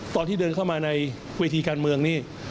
ตอนที่เดินเข้ามาในเวทีการเมืองนี่